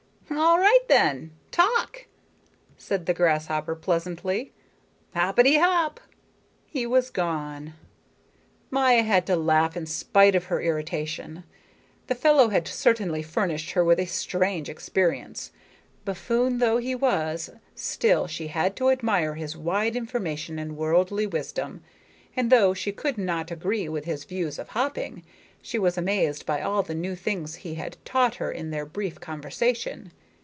"All right, then, talk," said the grasshopper pleasantly. "Hoppety hop." He was gone. Maya had to laugh in spite of her irritation. The fellow had certainly furnished her with a strange experience. Buffoon though he was, still she had to admire his wide information and worldly wisdom; and though she could not agree with his views of hopping, she was amazed by all the new things he had taught her in their brief conversation.